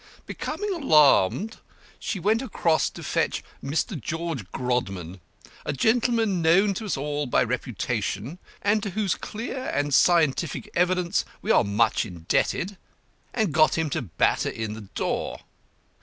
Becoming alarmed, she went across to fetch Mr. George Grodman, a gentleman known to us all by reputation, and to whose clear and scientific evidence we are much indebted, and got him to batter in the door.